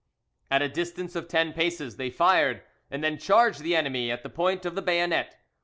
At a distance of ten paces they fired, and then charged the enemy at the point of the bayonet.